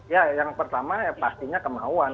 ya yang pertama pastinya kemauan